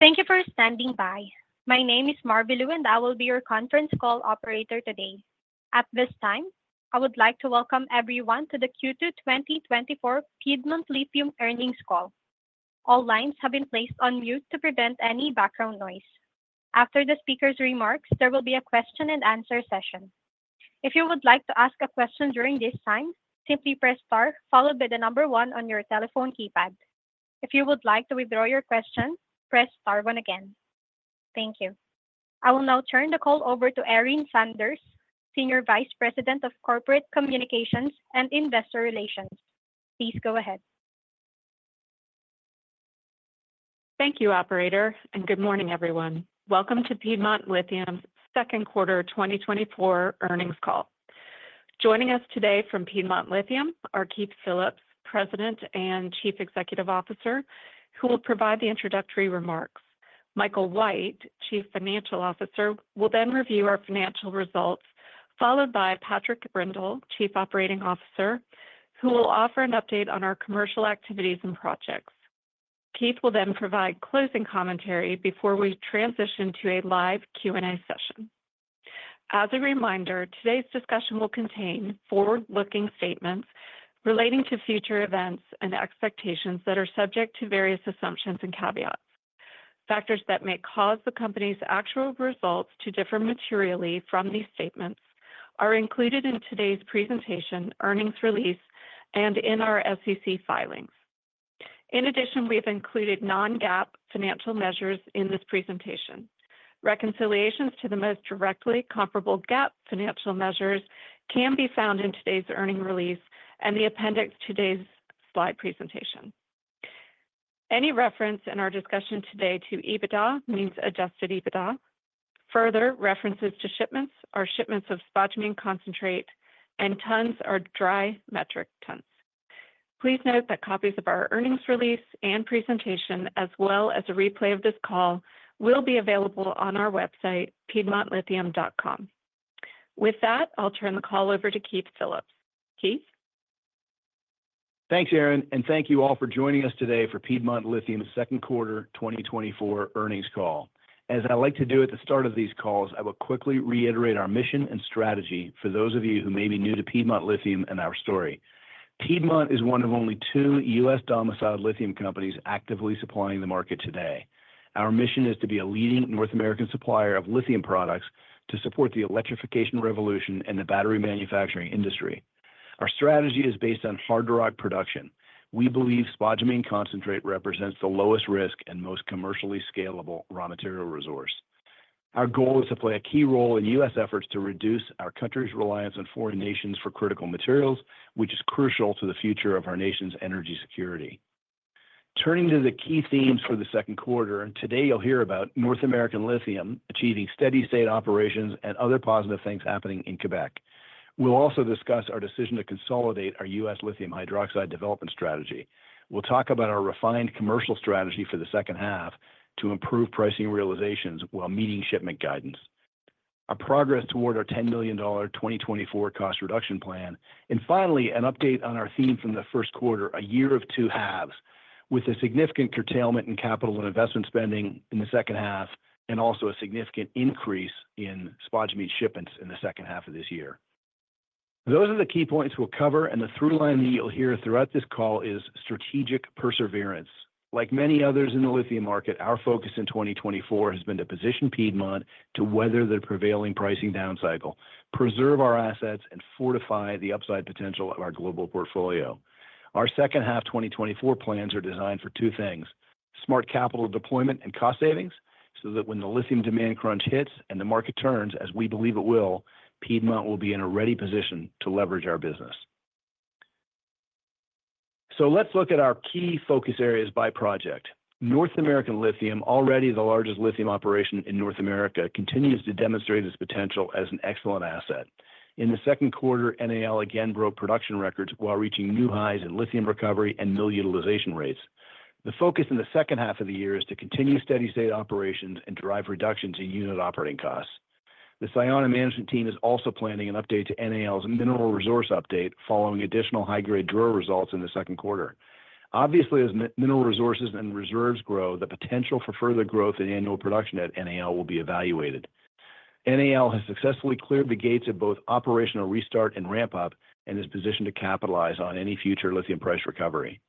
Thank you for standing by. My name is Marvilu, and I will be your conference call operator today. At this time, I would like to welcome everyone to the Q2 2024 Piedmont Lithium earnings call. All lines have been placed on mute to prevent any background noise. After the speaker's remarks, there will be a question and answer session. If you would like to ask a question during this time, simply press star followed by the number one on your telephone keypad. If you would like to withdraw your question, press star one again. Thank you. I will now turn the call over to Erin Sanders, Senior Vice President of Corporate Communications and Investor Relations. Please go ahead. Thank you, operator, and good morning, everyone. Welcome to Piedmont Lithium's second quarter 2024 earnings call. Joining us today from Piedmont Lithium are Keith Phillips, President and Chief Executive Officer, who will provide the introductory remarks. Michael White, Chief Financial Officer, will then review our financial results, followed by Patrick Brindle, Chief Operating Officer, who will offer an update on our commercial activities and projects. Keith will then provide closing commentary before we transition to a live Q&A session. As a reminder, today's discussion will contain forward-looking statements relating to future events and expectations that are subject to various assumptions and caveats. Factors that may cause the company's actual results to differ materially from these statements are included in today's presentation, earnings release, and in our SEC filings. In addition, we've included non-GAAP financial measures in this presentation. Reconciliations to the most directly comparable GAAP financial measures can be found in today's earning release and the appendix to today's slide presentation. Any reference in our discussion today to EBITDA means adjusted EBITDA. Further, references to shipments are shipments of spodumene concentrate, and tons are dry metric tons. Please note that copies of our earnings release and presentation, as well as a replay of this call, will be available on our website, piedmontlithium.com. With that, I'll turn the call over to Keith Phillips. Keith? Thanks, Erin, and thank you all for joining us today for Piedmont Lithium's second quarter 2024 earnings call. As I like to do at the start of these calls, I will quickly reiterate our mission and strategy for those of you who may be new to Piedmont Lithium and our story. Piedmont is one of only two U.S.-domiciled lithium companies actively supplying the market today. Our mission is to be a leading North American supplier of lithium products to support the electrification revolution and the battery manufacturing industry. Our strategy is based on hard rock production. We believe spodumene concentrate represents the lowest risk and most commercially scalable raw material resource. Our goal is to play a key role in U.S. efforts to reduce our country's reliance on foreign nations for critical materials, which is crucial to the future of our nation's energy security. Turning to the key themes for the second quarter, and today you'll hear about North American Lithium achieving steady state operations and other positive things happening in Quebec. We'll also discuss our decision to consolidate our U.S. lithium hydroxide development strategy. We'll talk about our refined commercial strategy for the second half to improve pricing realizations while meeting shipment guidance, our progress toward our $10 million 2024 cost reduction plan, and finally, an update on our theme from the first quarter, a year of two halves, with a significant curtailment in capital and investment spending in the second half, and also a significant increase in spodumene shipments in the second half of this year. Those are the key points we'll cover, and the through line that you'll hear throughout this call is strategic perseverance. Like many others in the lithium market, our focus in 2024 has been to position Piedmont to weather the prevailing pricing downcycle, preserve our assets, and fortify the upside potential of our global portfolio. Our second half 2024 plans are designed for two things: smart capital deployment and cost savings, so that when the lithium demand crunch hits and the market turns, as we believe it will, Piedmont will be in a ready position to leverage our business. So let's look at our key focus areas by project. North American Lithium, already the largest lithium operation in North America, continues to demonstrate its potential as an excellent asset. In the second quarter, NAL again broke production records while reaching new highs in lithium recovery and mill utilization rates. The focus in the second half of the year is to continue steady state operations and drive reductions in unit operating costs. The Sayona management team is also planning an update to NAL's mineral resource update following additional high-grade drill results in the second quarter. Obviously, as mineral resources and reserves grow, the potential for further growth in annual production at NAL will be evaluated. NAL has successfully cleared the gates of both operational restart and ramp-up and is positioned to capitalize on any future lithium price recovery.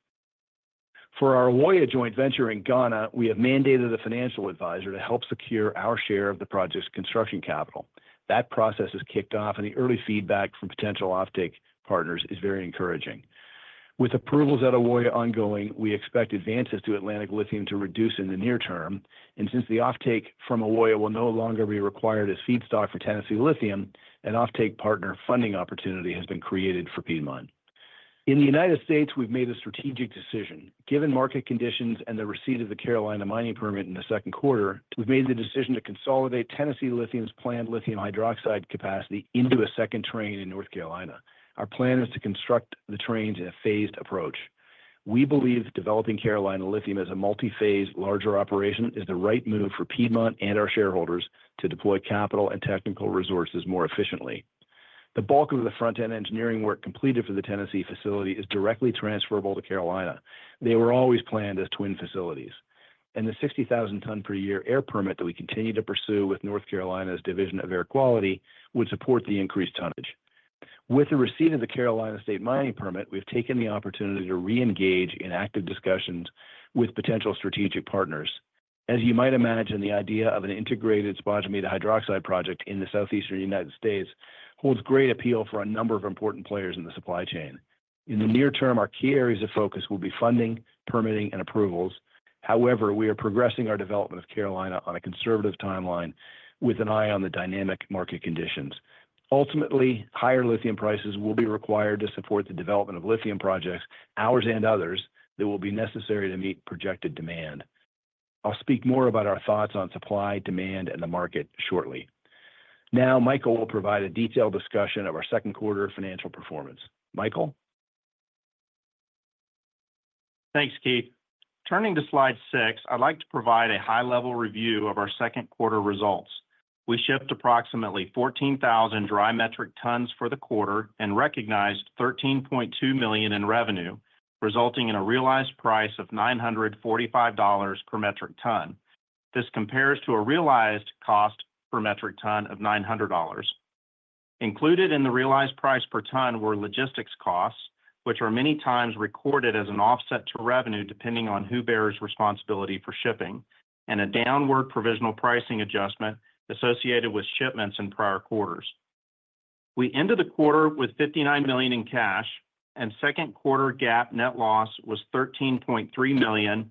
For our Ewoyaa joint venture in Ghana, we have mandated a financial advisor to help secure our share of the project's construction capital. That process has kicked off, and the early feedback from potential offtake partners is very encouraging. With approvals at Ewoyaa ongoing, we expect advances to Atlantic Lithium to reduce in the near term, and since the offtake from Ewoyaa will no longer be required as feedstock for Tennessee Lithium, an offtake partner funding opportunity has been created for Piedmont. In the United States, we've made a strategic decision. Given market conditions and the receipt of the Carolina mining permit in the second quarter, we've made the decision to consolidate Tennessee Lithium's planned lithium hydroxide capacity into a second train in North Carolina. Our plan is to construct the trains in a phased approach. We believe developing Carolina Lithium as a multi-phase, larger operation is the right move for Piedmont and our shareholders to deploy capital and technical resources more efficiently.... The bulk of the front-end engineering work completed for the Tennessee facility is directly transferable to Carolina. They were always planned as twin facilities, and the 60,000 ton per year air permit that we continue to pursue with North Carolina's Division of Air Quality would support the increased tonnage. With the receipt of the Carolina State mining permit, we've taken the opportunity to re-engage in active discussions with potential strategic partners. As you might imagine, the idea of an integrated spodumene hydroxide project in the Southeastern United States holds great appeal for a number of important players in the supply chain. In the near term, our key areas of focus will be funding, permitting, and approvals. However, we are progressing our development of Carolina on a conservative timeline with an eye on the dynamic market conditions. Ultimately, higher lithium prices will be required to support the development of lithium projects, ours and others, that will be necessary to meet projected demand. I'll speak more about our thoughts on supply, demand, and the market shortly. Now, Michael will provide a detailed discussion of our second quarter financial performance. Michael? Thanks, Keith. Turning to slide 6, I'd like to provide a high-level review of our second quarter results. We shipped approximately 14,000 dry metric tons for the quarter and recognized $13.2 million in revenue, resulting in a realized price of $945 per metric ton. This compares to a realized cost per metric ton of $900. Included in the realized price per ton were logistics costs, which are many times recorded as an offset to revenue, depending on who bears responsibility for shipping, and a downward provisional pricing adjustment associated with shipments in prior quarters. We ended the quarter with $59 million in cash, and second quarter GAAP net loss was $13.3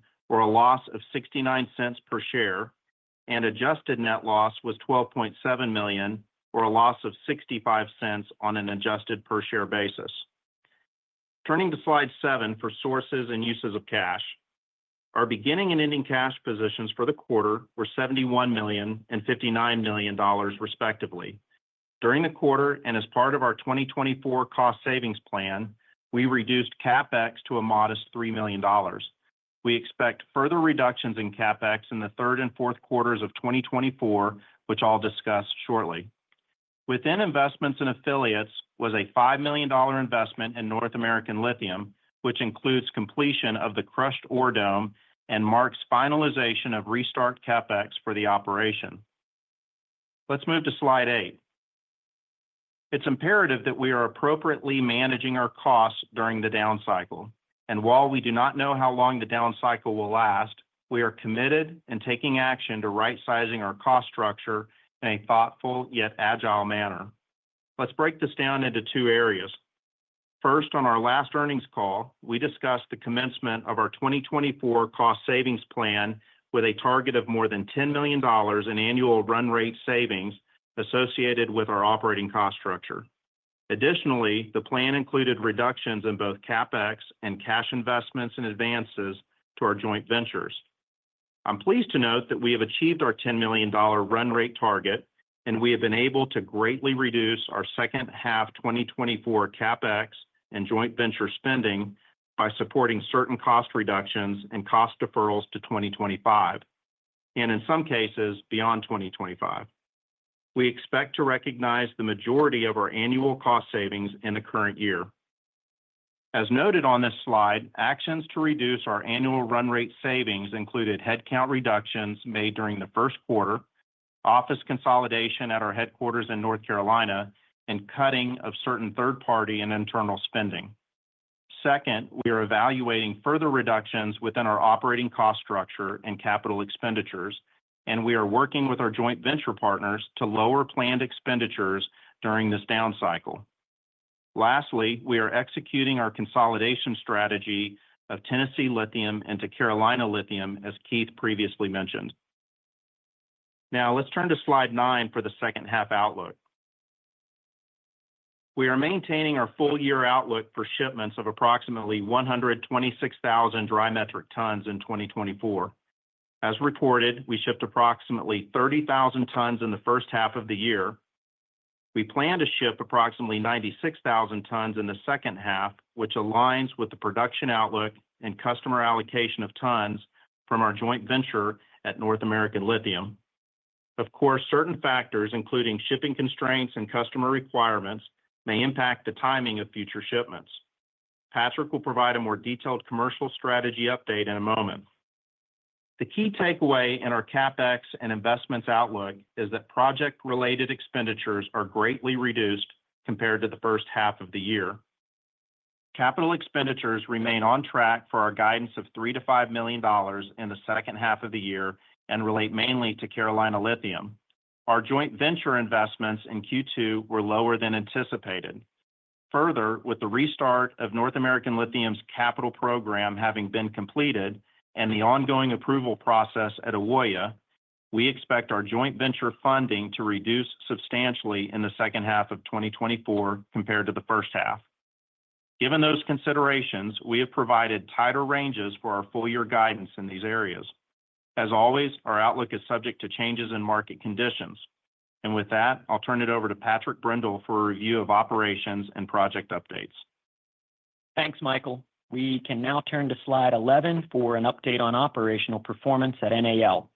million, or a loss of $0.69 per share, and adjusted net loss was $12.7 million, or a loss of $0.65 on an adjusted per share basis. Turning to slide 7 for sources and uses of cash. Our beginning and ending cash positions for the quarter were $71 million and $59 million, respectively. During the quarter, and as part of our 2024 cost savings plan, we reduced CapEx to a modest $3 million. We expect further reductions in CapEx in the third and fourth quarters of 2024, which I'll discuss shortly. Within investments and affiliates was a $5 million investment in North American Lithium, which includes completion of the crushed ore dome and marks finalization of restart CapEx for the operation. Let's move to slide 8. It's imperative that we are appropriately managing our costs during the down cycle, and while we do not know how long the down cycle will last, we are committed and taking action to right-sizing our cost structure in a thoughtful yet agile manner. Let's break this down into two areas. First, on our last earnings call, we discussed the commencement of our 2024 cost savings plan with a target of more than $10 million in annual run rate savings associated with our operating cost structure. Additionally, the plan included reductions in both CapEx and cash investments and advances to our joint ventures. I'm pleased to note that we have achieved our $10 million run rate target, and we have been able to greatly reduce our second half 2024 CapEx and joint venture spending by supporting certain cost reductions and cost deferrals to 2025, and in some cases, beyond 2025. We expect to recognize the majority of our annual cost savings in the current year. As noted on this slide, actions to reduce our annual run rate savings included headcount reductions made during the first quarter, office consolidation at our headquarters in North Carolina, and cutting of certain third party and internal spending. Second, we are evaluating further reductions within our operating cost structure and capital expenditures, and we are working with our joint venture partners to lower planned expenditures during this down cycle. Lastly, we are executing our consolidation strategy of Tennessee Lithium into Carolina Lithium, as Keith previously mentioned. Now, let's turn to slide 9 for the second half outlook. We are maintaining our full-year outlook for shipments of approximately 126,000 dry metric tons in 2024. As reported, we shipped approximately 30,000 tons in the first half of the year. We plan to ship approximately 96,000 tons in the second half, which aligns with the production outlook and customer allocation of tons from our joint venture at North American Lithium. Of course, certain factors, including shipping constraints and customer requirements, may impact the timing of future shipments. Patrick will provide a more detailed commercial strategy update in a moment. The key takeaway in our CapEx and investments outlook is that project-related expenditures are greatly reduced compared to the first half of the year. Capital expenditures remain on track for our guidance of $3 million-$5 million in the second half of the year and relate mainly to Carolina Lithium. Our joint venture investments in Q2 were lower than anticipated. Further, with the restart of North American Lithium's capital program having been completed and the ongoing approval process at Ewoyaa, we expect our joint venture funding to reduce substantially in the second half of 2024 compared to the first half. Given those considerations, we have provided tighter ranges for our full year guidance in these areas. As always, our outlook is subject to changes in market conditions. And with that, I'll turn it over to Patrick Brindle for a review of operations and project updates. Thanks, Michael. We can now turn to slide 11 for an update on operational performance at NAL.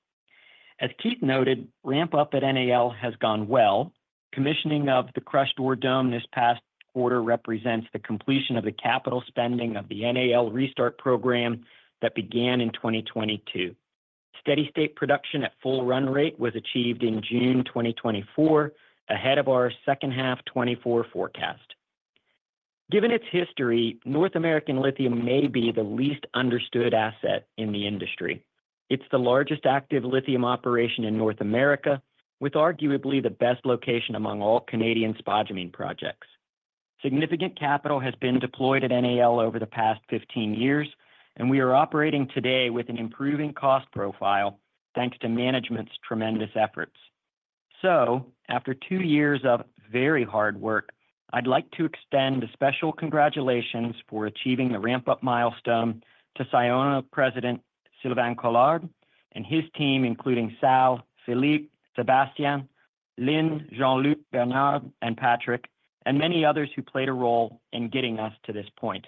As Keith noted, ramp-up at NAL has gone well. Commissioning of the crush ore dome this past quarter represents the completion of the capital spending of the NAL restart program that began in 2022. Steady state production at full run rate was achieved in June 2024, ahead of our second half 2024 forecast. Given its history, North American Lithium may be the least understood asset in the industry. It's the largest active lithium operation in North America, with arguably the best location among all Canadian spodumene projects. Significant capital has been deployed at NAL over the past 15 years, and we are operating today with an improving cost profile, thanks to management's tremendous efforts. So after two years of very hard work, I'd like to extend a special congratulations for achieving the ramp-up milestone to Sayona President, Sylvain Collard, and his team, including Sal, Philippe, Sebastian, Lynn, Jean-Luc, Bernard, and Patrick, and many others who played a role in getting us to this point.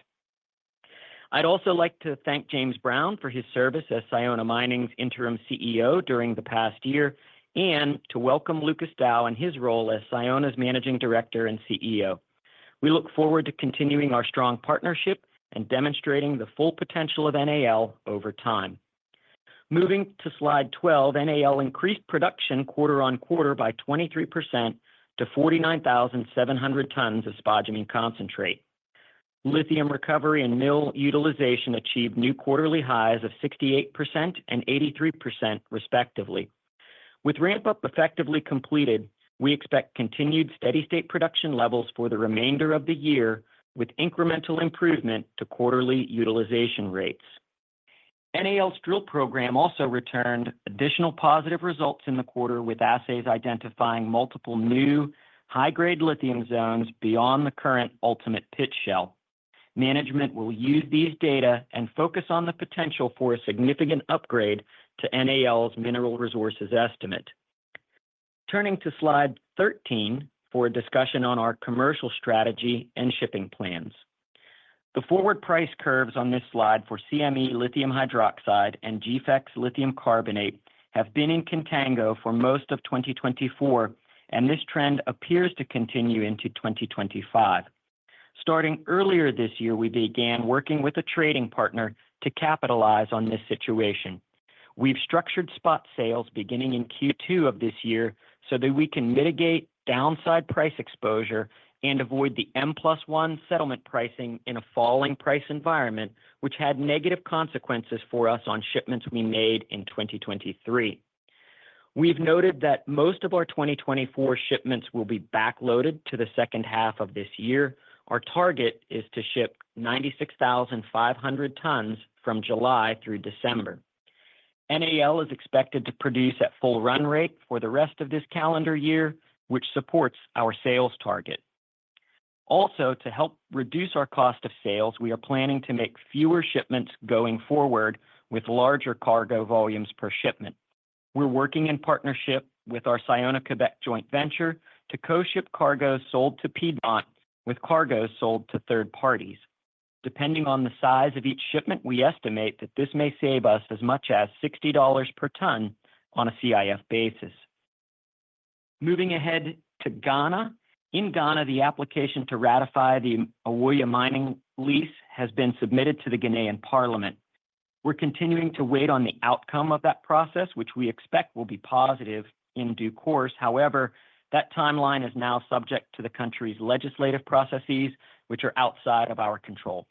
I'd also like to thank James Brown for his service as Sayona Mining's Interim CEO during the past year, and to welcome Lucas Dow in his role as Sayona's Managing Director and CEO. We look forward to continuing our strong partnership and demonstrating the full potential of NAL over time. Moving to slide 12, NAL increased production quarter-over-quarter by 23% to 49,700 tons of spodumene concentrate. Lithium recovery and mill utilization achieved new quarterly highs of 68% and 83%, respectively. With ramp-up effectively completed, we expect continued steady state production levels for the remainder of the year, with incremental improvement to quarterly utilization rates. NAL's drill program also returned additional positive results in the quarter, with assays identifying multiple new high-grade lithium zones beyond the current ultimate pit shell. Management will use these data and focus on the potential for a significant upgrade to NAL's mineral resources estimate. Turning to Slide 13 for a discussion on our commercial strategy and shipping plans. The forward price curves on this slide for CME lithium hydroxide and GFEX lithium carbonate have been in contango for most of 2024, and this trend appears to continue into 2025. Starting earlier this year, we began working with a trading partner to capitalize on this situation. We've structured spot sales beginning in Q2 of this year so that we can mitigate downside price exposure and avoid the M+1 settlement pricing in a falling price environment, which had negative consequences for us on shipments we made in 2023. We've noted that most of our 2024 shipments will be backloaded to the second half of this year. Our target is to ship 96,500 tons from July through December. NAL is expected to produce at full run rate for the rest of this calendar year, which supports our sales target. Also, to help reduce our cost of sales, we are planning to make fewer shipments going forward with larger cargo volumes per shipment. We're working in partnership with our Sayona Quebec joint venture to co-ship cargo sold to Piedmont with cargo sold to third parties. Depending on the size of each shipment, we estimate that this may save us as much as $60 per ton on a CIF basis. Moving ahead to Ghana. In Ghana, the application to ratify the Ewoyaa Mining lease has been submitted to the Ghanaian Parliament. We're continuing to wait on the outcome of that process, which we expect will be positive in due course. However, that timeline is now subject to the country's legislative processes, which are outside of our control.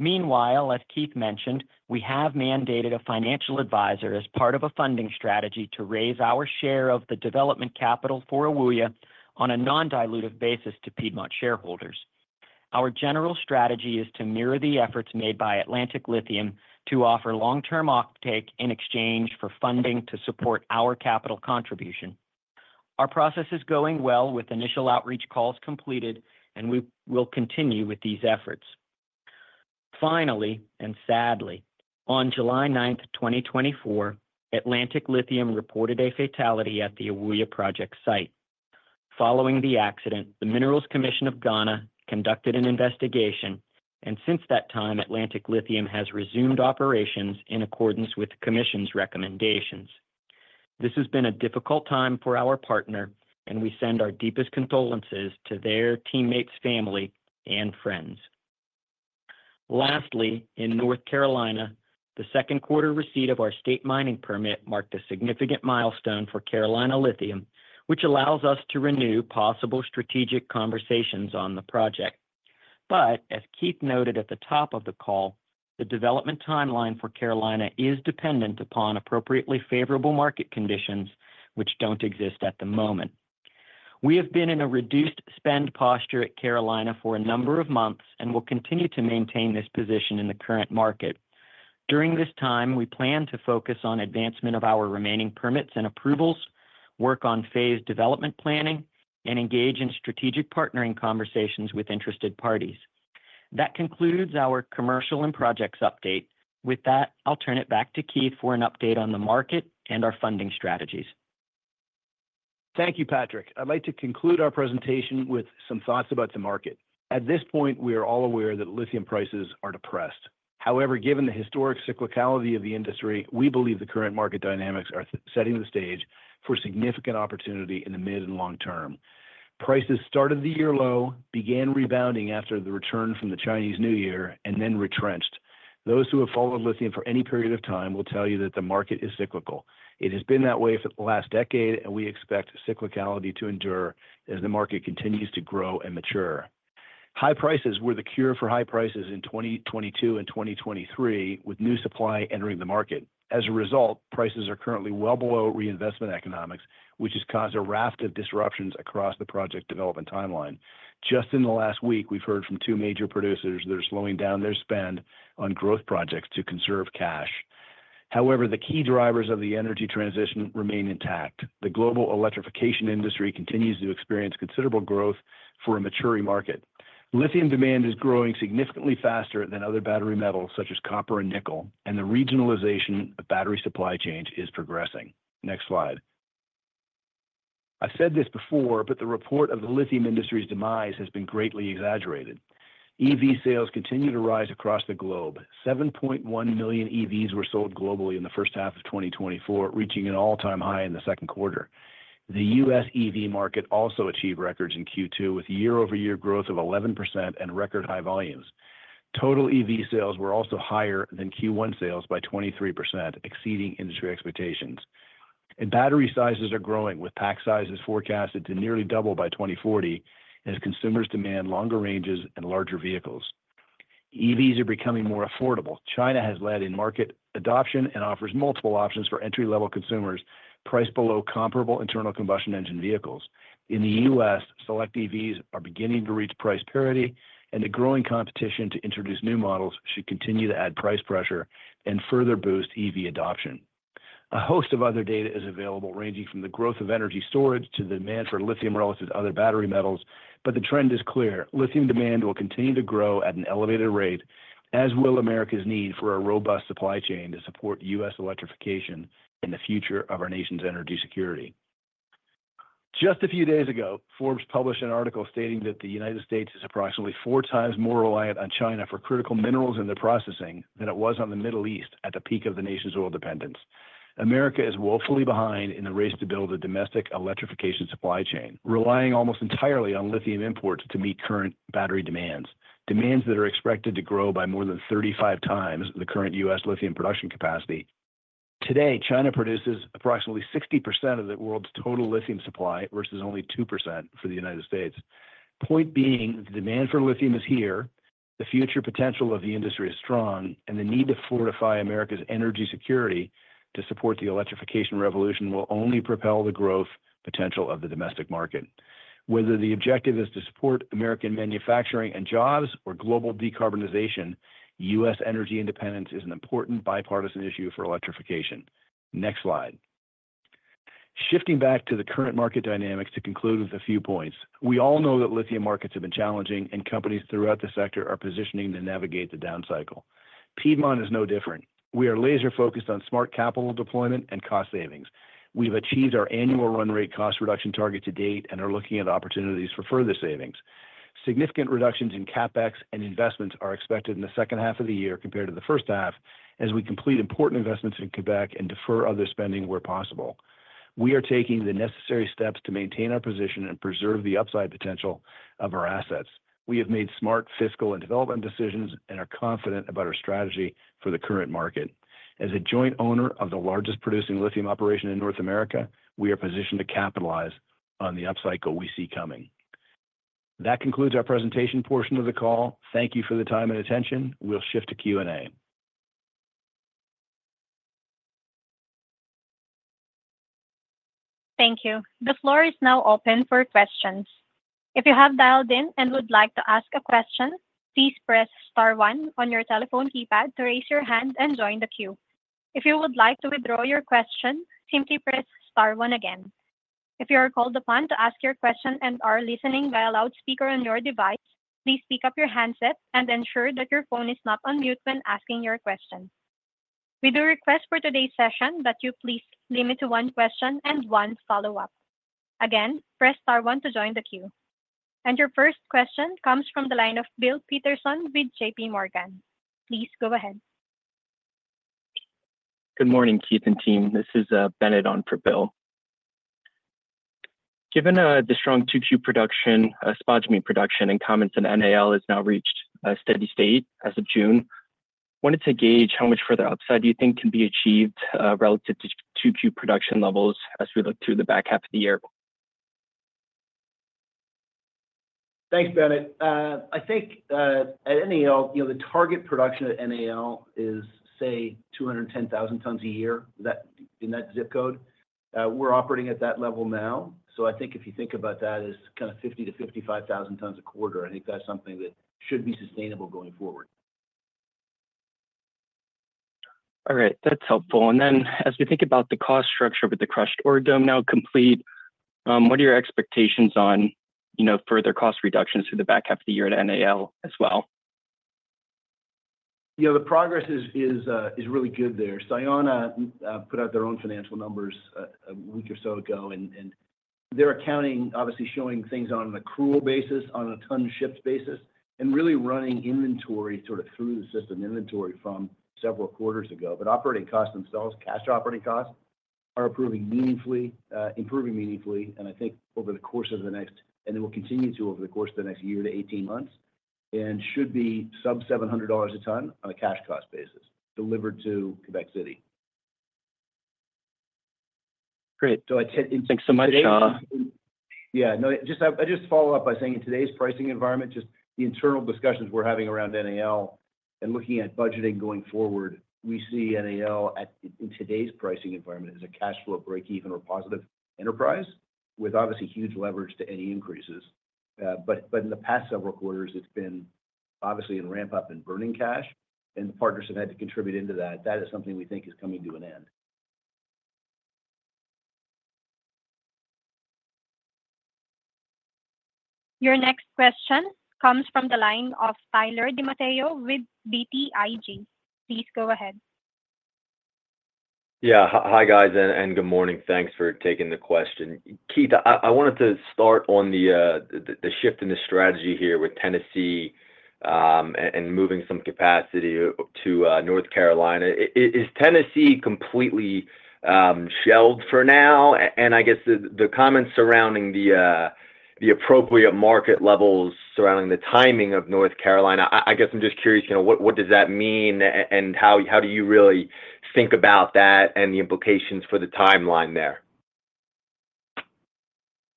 Meanwhile, as Keith mentioned, we have mandated a financial advisor as part of a funding strategy to raise our share of the development capital for Ewoyaa on a non-dilutive basis to Piedmont shareholders. Our general strategy is to mirror the efforts made by Atlantic Lithium to offer long-term offtake in exchange for funding to support our capital contribution. Our process is going well, with initial outreach calls completed, and we will continue with these efforts. Finally, and sadly, on July 9, 2024, Atlantic Lithium reported a fatality at the Ewoyaa project site. Following the accident, the Minerals Commission of Ghana conducted an investigation, and since that time, Atlantic Lithium has resumed operations in accordance with the Commission's recommendations. This has been a difficult time for our partner, and we send our deepest condolences to their teammate's family and friends. Lastly, in North Carolina, the second quarter receipt of our state mining permit marked a significant milestone for Carolina Lithium, which allows us to renew possible strategic conversations on the project. But as Keith noted at the top of the call, the development timeline for Carolina is dependent upon appropriately favorable market conditions which don't exist at the moment. We have been in a reduced spend posture at Carolina for a number of months and will continue to maintain this position in the current market. During this time, we plan to focus on advancement of our remaining permits and approvals, work on phase development planning, and engage in strategic partnering conversations with interested parties. That concludes our commercial and projects update. With that, I'll turn it back to Keith for an update on the market and our funding strategies. Thank you, Patrick. I'd like to conclude our presentation with some thoughts about the market. At this point, we are all aware that lithium prices are depressed. However, given the historic cyclicality of the industry, we believe the current market dynamics are setting the stage for significant opportunity in the mid and long term. Prices started the year low, began rebounding after the return from the Chinese New Year, and then retrenched. Those who have followed lithium for any period of time will tell you that the market is cyclical. It has been that way for the last decade, and we expect cyclicality to endure as the market continues to grow and mature. High prices were the cure for high prices in 2022 and 2023, with new supply entering the market. As a result, prices are currently well below reinvestment economics, which has caused a raft of disruptions across the project development timeline. Just in the last week, we've heard from two major producers that are slowing down their spend on growth projects to conserve cash. However, the key drivers of the energy transition remain intact. The global electrification industry continues to experience considerable growth for a maturing market. Lithium demand is growing significantly faster than other battery metals, such as copper and nickel, and the regionalization of battery supply chains is progressing. Next slide. I've said this before, but the report of the lithium industry's demise has been greatly exaggerated. EV sales continue to rise across the globe. 7.1 million EVs were sold globally in the first half of 2024, reaching an all-time high in the second quarter. The U.S. EV market also achieved records in Q2, with year-over-year growth of 11% and record high volumes. Total EV sales were also higher than Q1 sales by 23%, exceeding industry expectations. Battery sizes are growing, with pack sizes forecasted to nearly double by 2040 as consumers demand longer ranges and larger vehicles. EVs are becoming more affordable. China has led in market adoption and offers multiple options for entry-level consumers, priced below comparable internal combustion engine vehicles. In the U.S., select EVs are beginning to reach price parity, and the growing competition to introduce new models should continue to add price pressure and further boost EV adoption. A host of other data is available, ranging from the growth of energy storage to the demand for lithium relative to other battery metals, but the trend is clear: lithium demand will continue to grow at an elevated rate, as will America's need for a robust supply chain to support U.S. electrification and the future of our nation's energy security. Just a few days ago, Forbes published an article stating that the United States is approximately four times more reliant on China for critical minerals and their processing than it was on the Middle East at the peak of the nation's oil dependence. America is woefully behind in the race to build a domestic electrification supply chain, relying almost entirely on lithium imports to meet current battery demands, demands that are expected to grow by more than 35x the current U.S. lithium production capacity. Today, China produces approximately 60% of the world's total lithium supply, versus only 2% for the United States. Point being, the demand for lithium is here, the future potential of the industry is strong, and the need to fortify America's energy security to support the electrification revolution will only propel the growth potential of the domestic market. Whether the objective is to support American manufacturing and jobs or global decarbonization, U.S. energy independence is an important bipartisan issue for electrification. Next slide. Shifting back to the current market dynamics to conclude with a few points. We all know that lithium markets have been challenging, and companies throughout the sector are positioning to navigate the down cycle. Piedmont is no different. We are laser focused on smart capital deployment and cost savings. We've achieved our annual run rate cost reduction target to date and are looking at opportunities for further savings. Significant reductions in CapEx and investments are expected in the second half of the year compared to the first half, as we complete important investments in Quebec and defer other spending where possible. We are taking the necessary steps to maintain our position and preserve the upside potential of our assets. We have made smart fiscal and development decisions and are confident about our strategy for the current market. As a joint owner of the largest producing lithium operation in North America, we are positioned to capitalize on the upcycle we see coming. That concludes our presentation portion of the call. Thank you for the time and attention. We'll shift to Q&A. Thank you. The floor is now open for questions. If you have dialed in and would like to ask a question, please press star one on your telephone keypad to raise your hand and join the queue. If you would like to withdraw your question, simply press star one again. If you are called upon to ask your question and are listening via loudspeaker on your device, please pick up your handset and ensure that your phone is not on mute when asking your question. We do request for today's session that you please limit to one question and one follow-up. Again, press star one to join the queue. Your first question comes from the line of Bill Peterson with JPMorgan. Please go ahead. Good morning, Keith and team. This is Bennett on for Bill. Given the strong 2Q production, spodumene production and comments that NAL has now reached a steady state as of June, wanted to gauge how much further upside do you think can be achieved relative to 2Q production levels as we look to the back half of the year? Thanks, Bennett. I think at NAL, you know, the target production at NAL is, say, 210,000 tons a year. Is that in that zip code? We're operating at that level now. So I think if you think about that as kinda 50,000-55,000 tons a quarter, I think that's something that should be sustainable going forward. All right. That's helpful. As we think about the cost structure with the crushed ore dome now complete, what are your expectations on, you know, further cost reductions through the back half of the year at NAL as well? You know, the progress is really good there. Sayona put out their own financial numbers a week or so ago, and their accounting obviously showing things on an accrual basis, on a ton shipped basis, and really running inventory sort of through the system, inventory from several quarters ago. But operating costs themselves, cash operating costs, are improving meaningfully, improving meaningfully, and I think over the course of the next—and it will continue to over the course of the next year to 18 months, and should be sub-$700 a ton on a cash cost basis, delivered to Quebec City. Great. Thanks so much. Yeah, no, just, I just follow up by saying in today's pricing environment, just the internal discussions we're having around NAL and looking at budgeting going forward, we see NAL at, in today's pricing environment, as a cash flow breakeven or positive enterprise with obviously huge leverage to any increases. But, but in the past several quarters, it's been obviously in ramp-up and burning cash, and the partners have had to contribute into that. That is something we think is coming to an end. Your next question comes from the line of Tyler DiMatteo with BTIG. Please go ahead. Yeah. Hi, guys, and good morning. Thanks for taking the question. Keith, I wanted to start on the shift in the strategy here with Tennessee and moving some capacity to North Carolina. Is Tennessee completely shelved for now? And I guess the comments surrounding the appropriate market levels surrounding the timing of North Carolina, I guess I'm just curious, you know, what does that mean and how do you really think about that and the implications for the timeline there?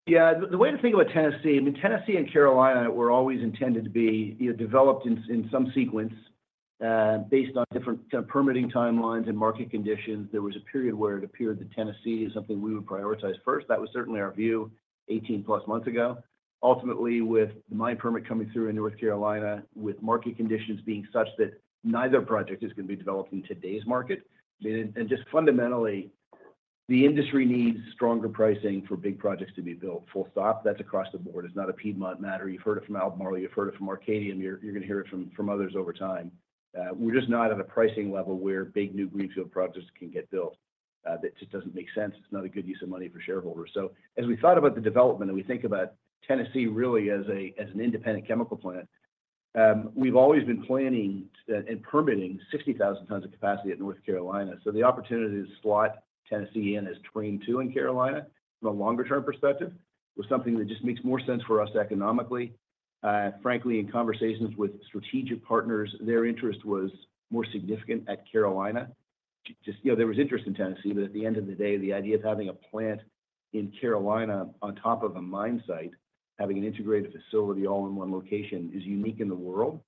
Yeah, the way to think about Tennessee, I mean, Tennessee and Carolina were always intended to be, you know, developed in some sequence, based on different kind of permitting timelines and market conditions. There was a period where it appeared that Tennessee is something we would prioritize first. That was certainly our view 18+ months ago. Ultimately, with the mine permit coming through in North Carolina, with market conditions being such that neither project is going to be developed in today's market. And just fundamentally, the industry needs stronger pricing for big projects to be built, full stop. That's across the board. It's not a Piedmont matter. You've heard it from Albemarle, you've heard it from Arcadium, you're going to hear it from others over time. We're just not at a pricing level where big new greenfield projects can get built. That just doesn't make sense. It's not a good use of money for shareholders. So as we thought about the development, and we think about Tennessee really as a, as an independent chemical plant, we've always been planning and permitting 60,000 tons of capacity at North Carolina. So the opportunity to slot Tennessee in as train two in Carolina from a longer-term perspective, was something that just makes more sense for us economically. Frankly, in conversations with strategic partners, their interest was more significant at Carolina. Just, you know, there was interest in Tennessee, but at the end of the day, the idea of having a plant in Carolina on top of a mine site, having an integrated facility all in one location, is unique in the world.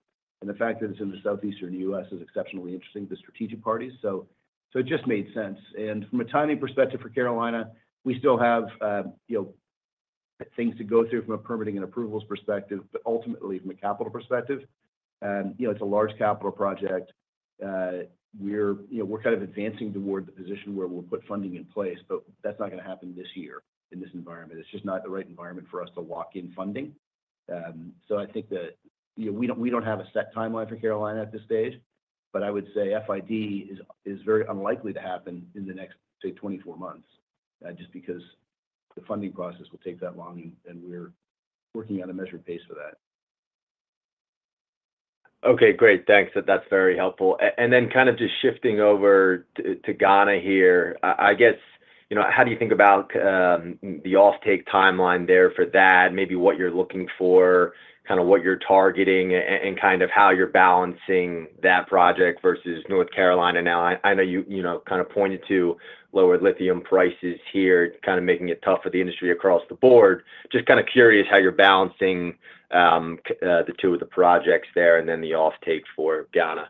And the fact that it's in the southeastern U.S. is exceptionally interesting to strategic parties. So it just made sense. From a timing perspective for Carolina, we still have, you know, things to go through from a permitting and approvals perspective, but ultimately from a capital perspective. You know, it's a large capital project. We're, you know, kind of advancing toward the position where we'll put funding in place, but that's not going to happen this year in this environment. It's just not the right environment for us to lock in funding. So I think that, you know, we don't have a set timeline for Carolina at this stage, but I would say FID is very unlikely to happen in the next, say, 24 months, just because the funding process will take that long, and we're working at a measured pace for that. Okay, great. Thanks. That's very helpful. And then kind of just shifting over to Ghana here. I guess, you know, how do you think about the offtake timeline there for that? Maybe what you're looking for, kind of what you're targeting, and kind of how you're balancing that project versus North Carolina now? I know you know, kind of pointed to lower lithium prices here, kind of making it tough for the industry across the board. Just kind of curious how you're balancing the two projects there and then the offtake for Ghana.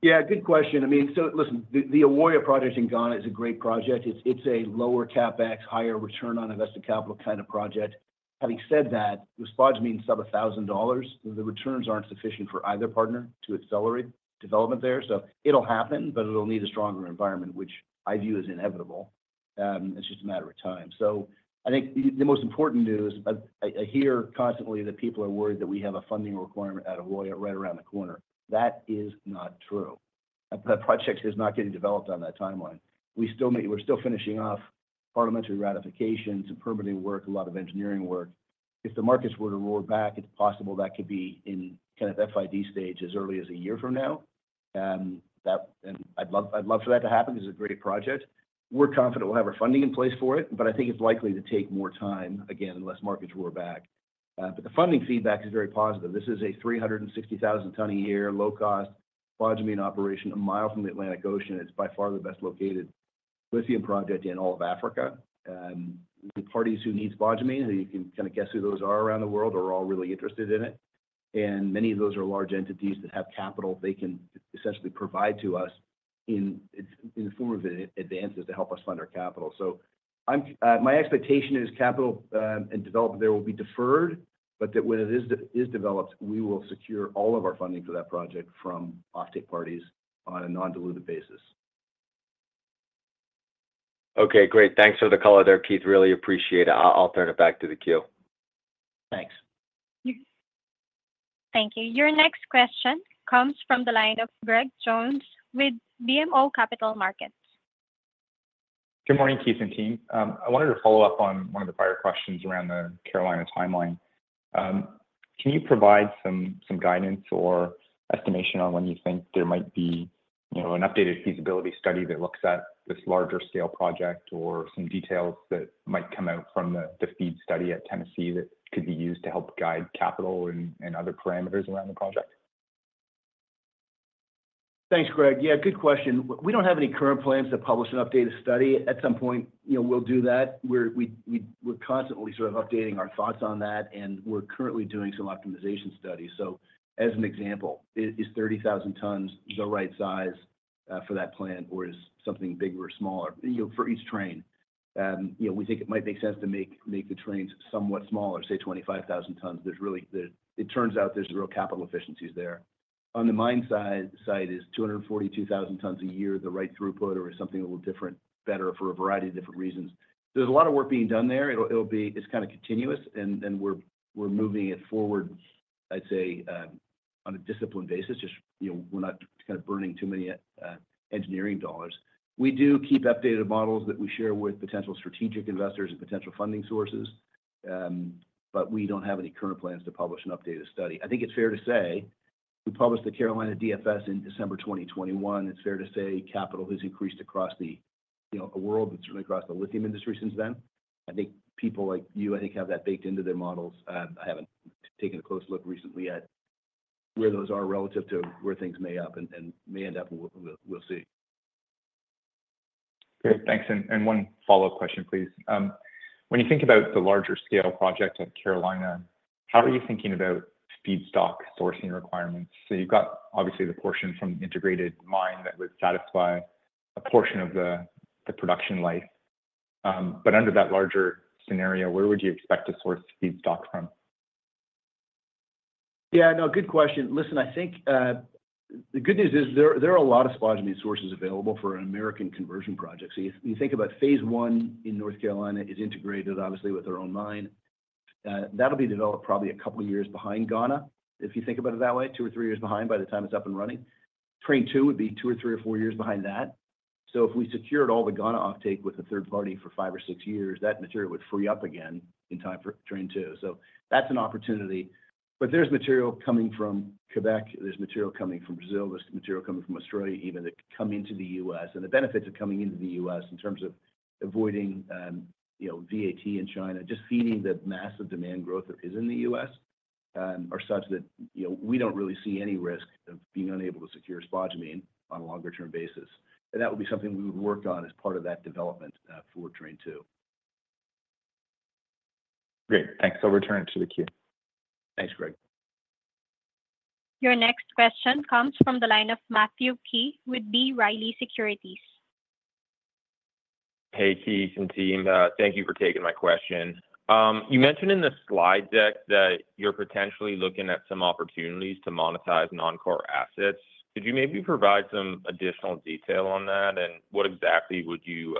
Yeah, good question. I mean, so listen, the Ewoyaa project in Ghana is a great project. It's a lower CapEx, higher return on invested capital kind of project. Having said that, with spodumene sub $1,000, the returns aren't sufficient for either partner to accelerate development there. So it'll happen, but it'll need a stronger environment, which I view as inevitable. It's just a matter of time. So I think the most important news, I hear constantly that people are worried that we have a funding requirement at Ewoyaa right around the corner. That is not true. That project is not getting developed on that timeline. We still may—we're still finishing off parliamentary ratifications and permitting work, a lot of engineering work. If the markets were to roll back, it's possible that could be in kind of FID stage as early as a year from now. That and I'd love, I'd love for that to happen. It's a great project. We're confident we'll have our funding in place for it, but I think it's likely to take more time, again, unless markets roar back. But the funding feedback is very positive. This is a 360,000 ton a year, low cost, spodumene operation, a mile from the Atlantic Ocean. It's by far the best located lithium project in all of Africa. The parties who need spodumene, and you can kind of guess who those are around the world, are all really interested in it. Many of those are large entities that have capital they can essentially provide to us in form of advances to help us fund our capital. So, my expectation is capital and development there will be deferred, but that when it is developed, we will secure all of our funding for that project from offtake parties on a non-dilutive basis. Okay, great. Thanks for the call there, Keith. Really appreciate it. I'll turn it back to the queue. Thanks. Thank you. Your next question comes from the line of Greg Jones with BMO Capital Markets. Good morning, Keith and team. I wanted to follow up on one of the prior questions around the Carolina timeline. Can you provide some guidance or estimation on when you think there might be, you know, an updated feasibility study that looks at this larger scale project or some details that might come out from the feed study at Tennessee that could be used to help guide capital and other parameters around the project? Thanks, Greg. Yeah, good question. We don't have any current plans to publish an updated study. At some point, you know, we'll do that. We're constantly sort of updating our thoughts on that, and we're currently doing some optimization studies. So as an example, is 30,000 tons the right size for that plant, or is something bigger or smaller, you know, for each train? You know, we think it might make sense to make the trains somewhat smaller, say 25,000 tons. There's really the... It turns out there's real capital efficiencies there. On the mine side is 242,000 tons a year the right throughput or something a little different, better for a variety of different reasons. There's a lot of work being done there. It'll be. It's kind of continuous, and we're moving it forward, I'd say, on a disciplined basis. Just, you know, we're not kind of burning too many engineering dollars. We do keep updated models that we share with potential strategic investors and potential funding sources, but we don't have any current plans to publish an updated study. I think it's fair to say we published the Carolina DFS in December 2021. It's fair to say capital has increased across the, you know, the world, but certainly across the lithium industry since then. I think people like you, I think, have that baked into their models. I haven't taken a close look recently at where those are relative to where things may end up, and we'll see. Great, thanks. And one follow-up question, please. When you think about the larger scale project at Carolina, how are you thinking about feedstock sourcing requirements? So you've got obviously the portion from integrated mine that would satisfy a portion of the production life. But under that larger scenario, where would you expect to source feedstock from? Yeah, no, good question. Listen, I think, the good news is there are a lot of spodumene sources available for an American conversion project. So if you think about phase I in North Carolina is integrated, obviously with their own mine, that'll be developed probably a couple of years behind Ghana. If you think about it that way, 2 or 3 years behind, by the time it's up and running. Train two would be 2 or 3 or 4 years behind that. So if we secured all the Ghana offtake with a third party for 5 or 6 years, that material would free up again in time for train two. So that's an opportunity. But there's material coming from Quebec, there's material coming from Brazil, there's material coming from Australia even that could come into the U.S. And the benefits of coming into the U.S. in terms of avoiding, you know, VAT in China, just feeding the massive demand growth that is in the U.S., are such that, you know, we don't really see any risk of being unable to secure spodumene on a longer term basis. And that would be something we would work on as part of that development, for train two. Great, thanks. I'll return it to the queue. Thanks, Greg. Your next question comes from the line of Matthew Key with B. Riley Securities. Hey, Keith and team, thank you for taking my question. You mentioned in the slide deck that you're potentially looking at some opportunities to monetize non-core assets. Could you maybe provide some additional detail on that? And what exactly would you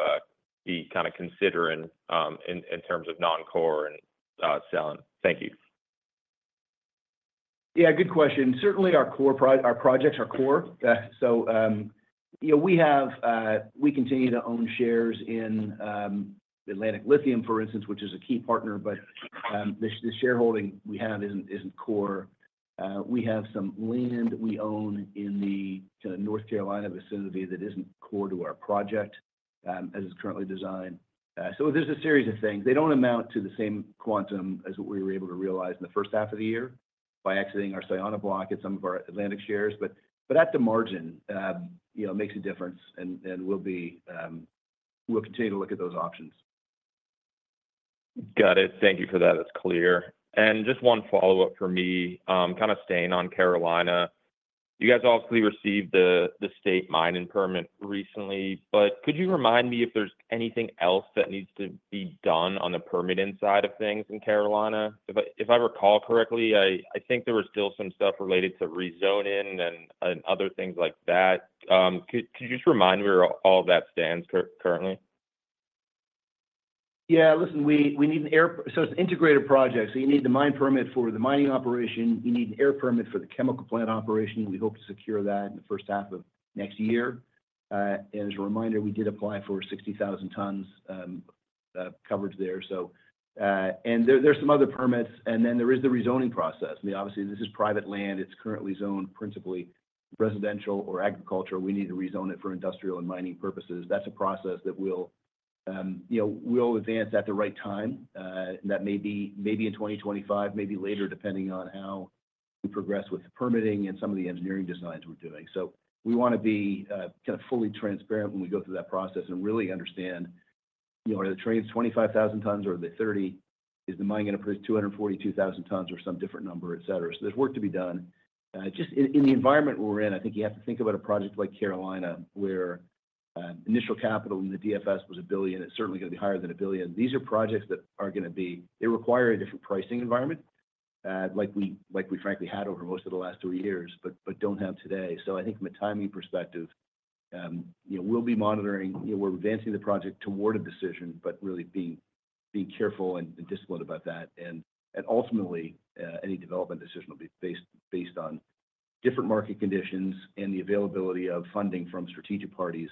be kinda considering in terms of non-core and selling? Thank you. Yeah, good question. Certainly, our core projects are core. So, you know, we have... We continue to own shares in Atlantic Lithium, for instance, which is a key partner, but this, the shareholding we have isn't core. We have some land we own in the North Carolina vicinity that isn't core to our project, as it's currently designed. So there's a series of things. They don't amount to the same quantum as what we were able to realize in the first half of the year by exiting our Sayona block and some of our Atlantic shares. But at the margin, you know, it makes a difference, and we'll continue to look at those options. Got it. Thank you for that. It's clear. Just one follow-up for me, kind of staying on Carolina. You guys obviously received the state mining permit recently, but could you remind me if there's anything else that needs to be done on the permitting side of things in Carolina? If I recall correctly, I think there was still some stuff related to rezoning and other things like that. Could you just remind me where all that stands currently? Yeah, listen, we need an air permit. So it's an integrated project, so you need the mine permit for the mining operation. You need an air permit for the chemical plant operation. We hope to secure that in the first half of next year. And as a reminder, we did apply for 60,000 tons coverage there, so. And there are some other permits, and then there is the rezoning process. I mean, obviously, this is private land. It's currently zoned principally residential or agricultural. We need to rezone it for industrial and mining purposes. That's a process that we'll advance at the right time. That may be maybe in 2025, maybe later, depending on how we progress with the permitting and some of the engineering designs we're doing. So we wanna be kind of fully transparent when we go through that process and really understand, you know, are the trains 25,000 tons or the 30? Is the mine gonna produce 242,000 tons or some different number, et cetera? So there's work to be done. Just in the environment we're in, I think you have to think about a project like Carolina, where initial capital in the DFS was $1 billion. It's certainly gonna be higher than $1 billion. These are projects that are gonna be. They require a different pricing environment, like we frankly had over most of the last three years, but don't have today. So I think from a timing perspective, you know, we're advancing the project toward a decision, but really being careful and disciplined about that. And ultimately, any development decision will be based on different market conditions and the availability of funding from strategic parties,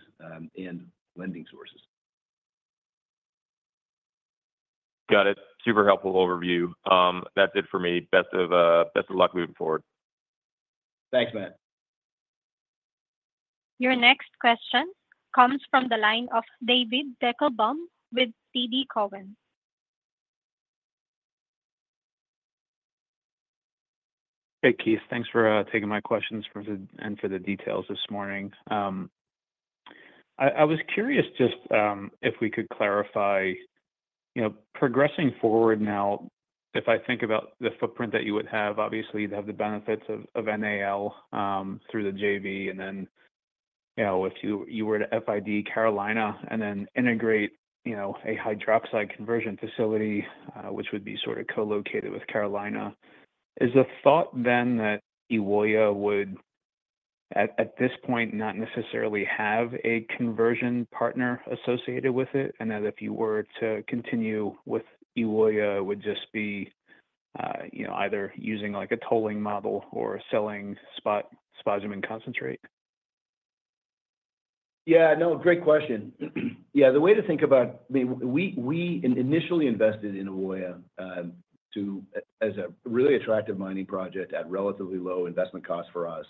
and lending sources. Got it. Super helpful overview. That's it for me. Best of luck moving forward. Thanks, Matt. Your next question comes from the line of David Deckelbaum with TD Cowen. Hey, Keith. Thanks for taking my questions from the and for the details this morning. I was curious just if we could clarify, you know, progressing forward now, if I think about the footprint that you would have, obviously, you'd have the benefits of NAL through the JV, and then, you know, if you were to FID Carolina and then integrate, you know, a hydroxide conversion facility, which would be sort of co-located with Carolina. Is the thought then that Ewoyaa would, at this point, not necessarily have a conversion partner associated with it, and that if you were to continue with Ewoyaa, would just be you know either using, like, a tolling model or selling spot spodumene concentrate? Yeah, no, great question. Yeah, the way to think about—I mean, we, we initially invested in Ewoyaa to as a really attractive mining project at relatively low investment cost for us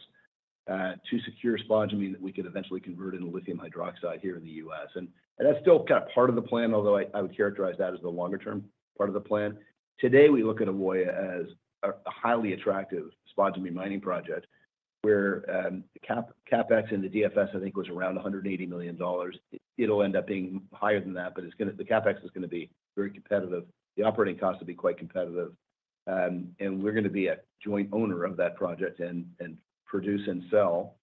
to secure spodumene that we could eventually convert into lithium hydroxide here in the U.S. And that's still kind of part of the plan, although I would characterize that as the longer term part of the plan. Today, we look at Ewoyaa as a highly attractive spodumene mining project, where the CapEx in the DFS, I think, was around $180 million. It'll end up being higher than that, but it's gonna, the CapEx is gonna be very competitive. The operating costs will be quite competitive. And we're gonna be a joint owner of that project, and produce and sell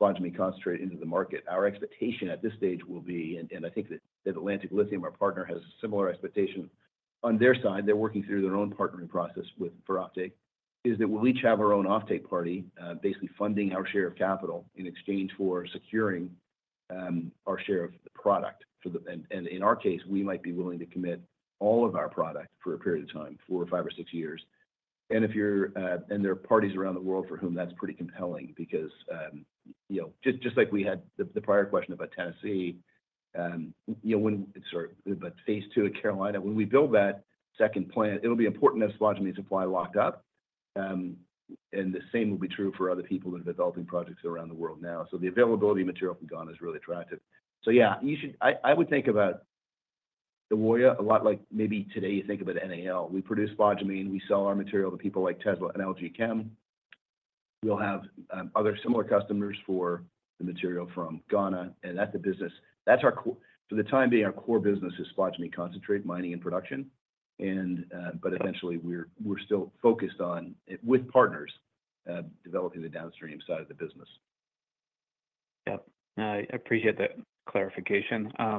spodumene concentrate into the market. Our expectation at this stage will be, and I think that Atlantic Lithium, our partner, has a similar expectation. On their side, they're working through their own partnering process with for offtake, is that we'll each have our own offtake partner, basically funding our share of capital in exchange for securing, our share of the product for the... And in our case, we might be willing to commit all of our product for a period of time, four or five or six years. And if you're... and there are parties around the world for whom that's pretty compelling because, you know, just like we had the prior question about Tennessee, you know, when sorry, but phase two of Carolina, when we build that second plant, it'll be important to have spodumene supply locked up. And the same will be true for other people that are developing projects around the world now. So the availability of material from Ghana is really attractive. So yeah, you should—I would think about Ewoyaa a lot like maybe today you think about NAL. We produce spodumene, we sell our material to people like Tesla and LG Chem. We'll have other similar customers for the material from Ghana, and that's the business. That's our core—for the time being, our core business is spodumene concentrate, mining and production, and, but eventually, we're still focused on, with partners, developing the downstream side of the business. Yep. I appreciate that clarification. Yeah,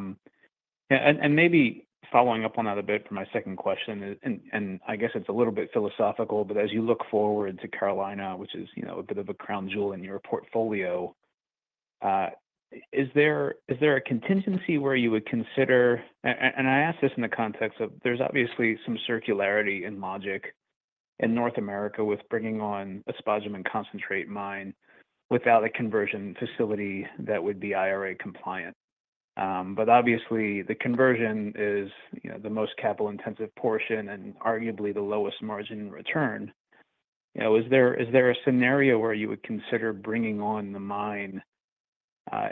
and maybe following up on that a bit for my second question, and I guess it's a little bit philosophical, but as you look forward to Carolina, which is, you know, a bit of a crown jewel in your portfolio, is there a contingency where you would consider... and I ask this in the context of there's obviously some circularity in logic in North America with bringing on a spodumene concentrate mine without a conversion facility that would be IRA compliant. But obviously, the conversion is, you know, the most capital-intensive portion and arguably the lowest margin return. You know, is there a scenario where you would consider bringing on the mine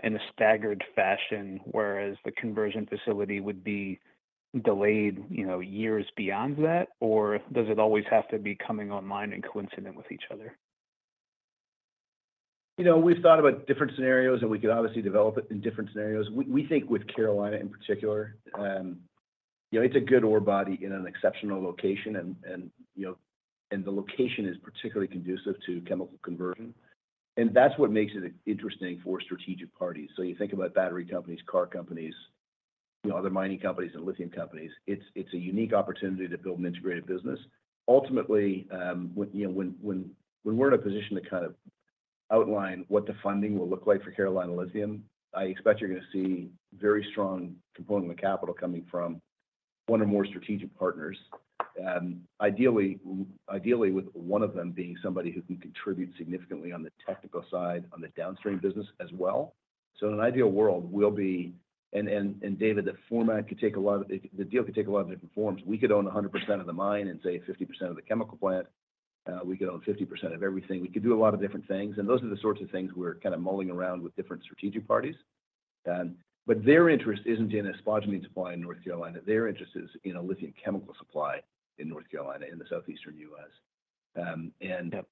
in a staggered fashion, whereas the conversion facility would be delayed, you know, years beyond that? Or does it always have to be coming online and coincident with each other? You know, we've thought about different scenarios, and we could obviously develop it in different scenarios. We think with Carolina in particular, you know, it's a good ore body in an exceptional location, and you know, the location is particularly conducive to chemical conversion. That's what makes it interesting for strategic parties. You think about battery companies, car companies, you know, other mining companies and lithium companies. It's a unique opportunity to build an integrated business. Ultimately, you know, when we're in a position to kind of outline what the funding will look like for Carolina Lithium, I expect you're gonna see very strong component of the capital coming from one or more strategic partners. Ideally, with one of them being somebody who can contribute significantly on the technical side, on the downstream business as well. So in an ideal world, we'll be... And David, the deal could take a lot of different forms. We could own 100% of the mine and say, 50% of the chemical plant. We could own 50% of everything. We could do a lot of different things, and those are the sorts of things we're mulling around with different strategic parties. But their interest isn't in a spodumene supply in North Carolina. Their interest is in a lithium chemical supply in North Carolina, in the southeastern U.S. And- Yep....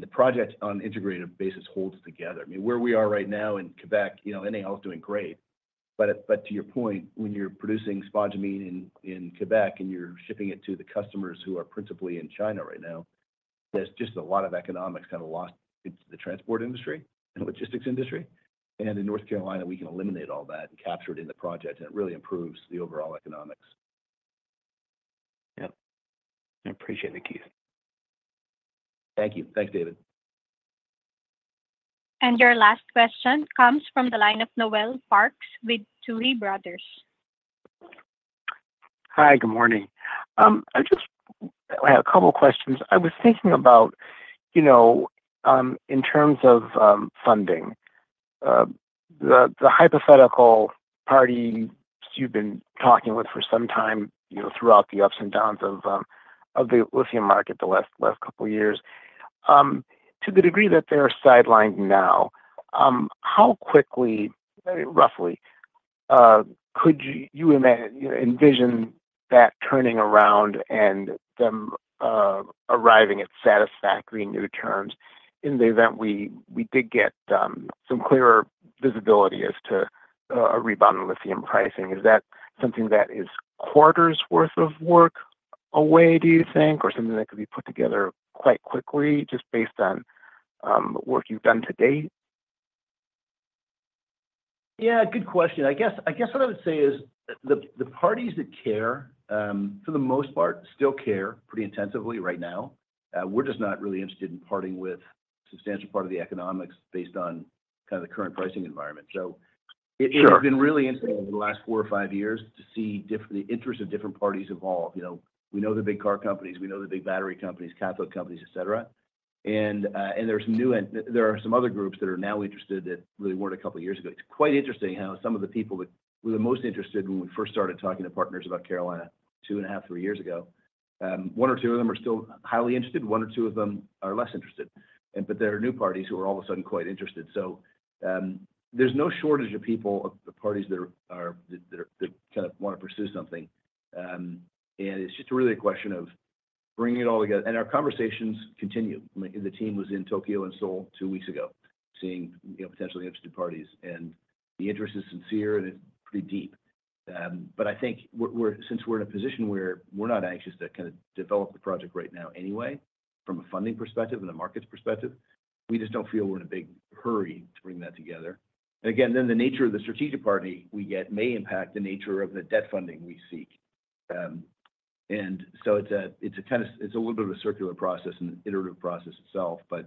the project on an integrated basis holds together. I mean, where we are right now in Quebec, you know, NAL is doing great. But to your point, when you're producing spodumene in Quebec, and you're shipping it to the customers who are principally in China right now. There's just a lot of economics kind of lost in the transport industry and logistics industry. And in North Carolina, we can eliminate all that and capture it in the project, and it really improves the overall economics. Yep. I appreciate it, Keith. Thank you. Thanks, David. Your last question comes from the line of Noel Parks with Tuohy Brothers. Hi, good morning. I just had a couple questions. I was thinking about, you know, in terms of funding, the hypothetical parties you've been talking with for some time, you know, throughout the ups and downs of the lithium market the last couple years. To the degree that they are sidelined now, how quickly, roughly, could you imagine, you know, envision that turning around and them arriving at satisfactory new terms in the event we did get some clearer visibility as to a rebound in lithium pricing? Is that something that is quarters worth of work away, do you think, or something that could be put together quite quickly, just based on work you've done to date? Yeah, good question. I guess what I would say is the parties that care, for the most part, still care pretty intensively right now. We're just not really interested in parting with a substantial part of the economics based on kind of the current pricing environment. Sure. So it's been really interesting over the last four or five years to see the interest of different parties evolve. You know, we know the big car companies, we know the big battery companies, cathode companies, et cetera. And there's some new and there are some other groups that are now interested that really weren't a couple of years ago. It's quite interesting how some of the people that were the most interested when we first started talking to partners about Carolina two and a half, three years ago, one or two of them are still highly interested, one or two of them are less interested. And but there are new parties who are all of a sudden quite interested. So there's no shortage of people, of the parties that are that kind of want to pursue something. It's just really a question of bringing it all together. Our conversations continue. The team was in Tokyo and Seoul two weeks ago, seeing, you know, potentially interested parties, and the interest is sincere, and it's pretty deep. But I think since we're in a position where we're not anxious to kind of develop the project right now anyway, from a funding perspective and a market perspective, we just don't feel we're in a big hurry to bring that together. And again, then the nature of the strategic party we get may impact the nature of the debt funding we seek. And so it's a little bit of a circular process and an iterative process itself. But,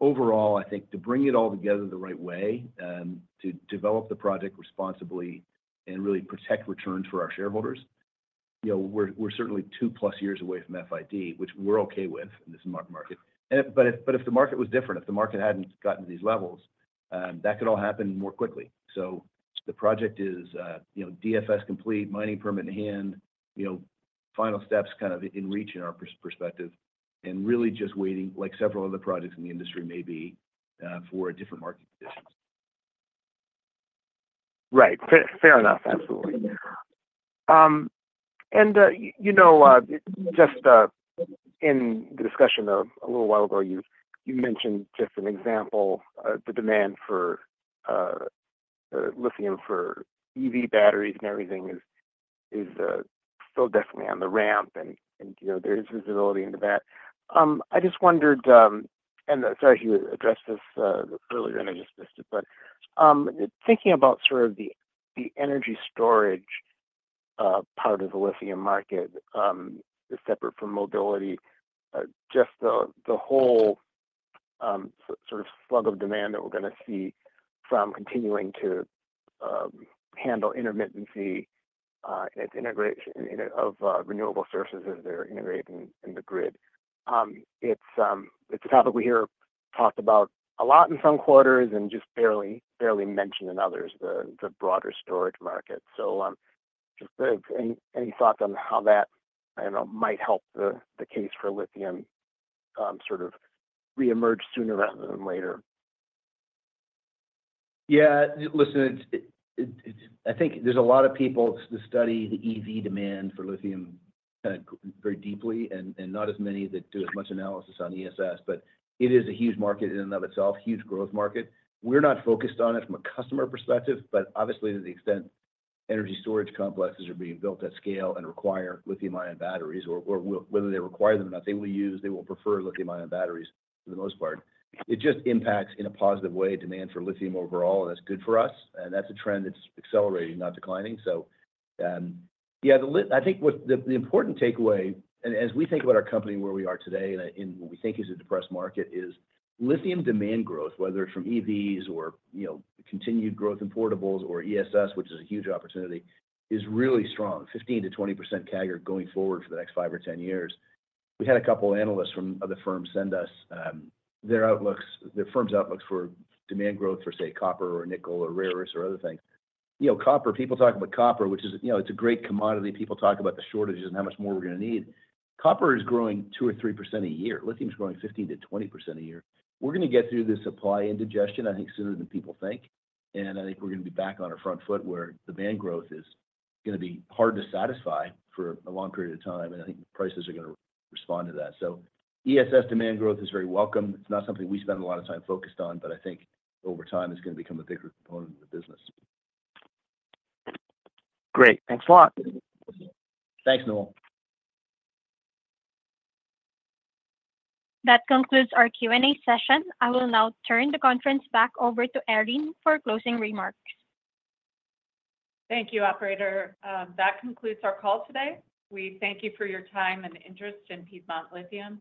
overall, I think to bring it all together the right way, to develop the project responsibly and really protect returns for our shareholders, you know, we're certainly 2+ years away from FID, which we're okay with in this market. But if the market was different, if the market hadn't gotten to these levels, that could all happen more quickly. So the project is, you know, DFS complete, mining permit in hand, you know, final steps kind of in reach in our perspective, and really just waiting, like several other projects in the industry maybe, for a different market conditions. Right. Fair, fair enough. Absolutely. And, you know, just, in the discussion of a little while ago, you, you mentioned just an example, the demand for, lithium for EV batteries and everything is, is, still definitely on the ramp. And, you know, there is visibility into that. I just wondered, and sorry, you addressed this, earlier, and I just missed it, but, thinking about sort of the, the energy storage, part of the lithium market, separate from mobility, just the, the whole, sort of slug of demand that we're going to see from continuing to, handle intermittency, as integration, you know, of, renewable sources as they're integrating in the grid. It's a topic we hear talked about a lot in some quarters and just barely, barely mentioned in others, the broader storage market. So, just any thoughts on how that, I don't know, might help the case for lithium sort of reemerge sooner rather than later? Yeah, listen, it, I think there's a lot of people that study the EV demand for lithium very deeply, and not as many that do as much analysis on ESS, but it is a huge market in and of itself, huge growth market. We're not focused on it from a customer perspective, but obviously, to the extent energy storage complexes are being built at scale and require lithium-ion batteries, or whether they require them or not, they will use, they will prefer lithium-ion batteries for the most part. It just impacts in a positive way, demand for lithium overall, and that's good for us, and that's a trend that's accelerating, not declining. So, yeah, the important takeaway, and as we think about our company and where we are today, and in what we think is a depressed market, is lithium demand growth, whether it's from EVs or, you know, continued growth in portables or ESS, which is a huge opportunity, is really strong, 15%-20% CAGR going forward for the next 5 or 10 years. We had a couple of analysts from other firms send us their outlooks, their firm's outlooks for demand growth for, say, copper or nickel or rare earths or other things. You know, copper, people talk about copper, which is, you know, it's a great commodity. People talk about the shortages and how much more we're going to need. Copper is growing 2%-3% a year. Lithium is growing 15%-20% a year. We're going to get through this supply indigestion, I think, sooner than people think. I think we're going to be back on our front foot where demand growth is going to be hard to satisfy for a long period of time, and I think prices are going to respond to that. ESS demand growth is very welcome. It's not something we spend a lot of time focused on, but I think over time, it's going to become a bigger component of the business. Great. Thanks a lot. Thanks, Noel. That concludes our Q&A session. I will now turn the conference back over to Erin for closing remarks. Thank you, operator. That concludes our call today. We thank you for your time and interest in Piedmont Lithium.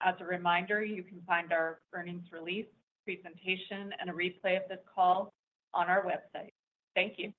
As a reminder, you can find our earnings release, presentation, and a replay of this call on our website. Thank you.